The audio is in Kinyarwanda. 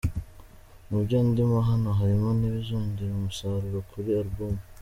Mu byo ndimo hano harimo n’ibizongera umusaruro kuri album.